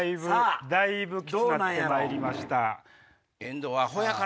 だいぶきつぅなってまいりました。